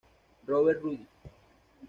Robert Roode".